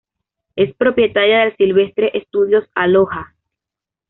Es propietaria de Silvestre Estudios Aloha.